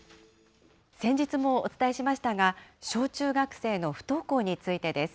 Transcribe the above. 先日もお伝えしましたが、小中学生の不登校についてです。